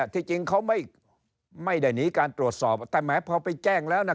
ที่จริงเขาไม่ได้หนีการตรวจสอบแต่แม้พอไปแจ้งแล้วนะ